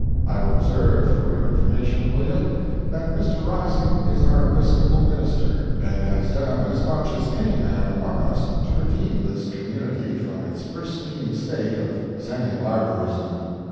I will observe, for your information, William, that Mr. Rising is our Episcopal minister, and has done as much as any man among us to redeem this community from its pristine state of semi barbarism.